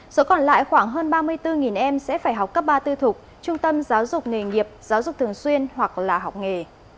số còn lại khoảng hơn ba mươi bốn em sẽ phải học cấp ba tư thục trung tâm giáo dục nghề nghiệp giáo dục thường xuyên hoặc là học nghề